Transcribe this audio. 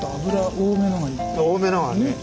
多めのがね。